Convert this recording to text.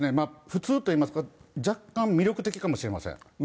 普通と言いますか、若干魅力的かもしれません。